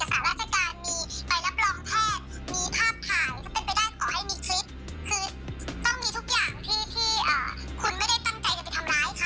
เป็นไปได้ก่อให้มีคลิป